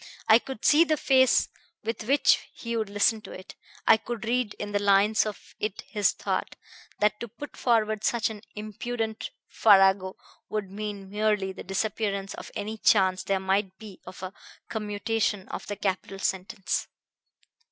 I could see the face with which he would listen to it; I could read in the lines of it his thought, that to put forward such an impudent farrago would mean merely the disappearance of any chance there might be of a commutation of the capital sentence.